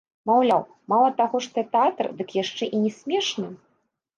Маўляў, мала таго, што тэатр, дык яшчэ і не смешны.